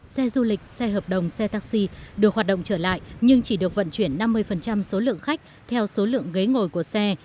xe du lịch xe hợp đồng xe taxi được hoạt động trở lại nhưng chỉ được vận chuyển năm mươi số lượng khách theo số lượng ghế ngồi của xe